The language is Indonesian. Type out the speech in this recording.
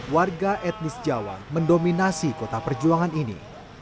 warga etnis jawa mendominasi kota perjuangan ini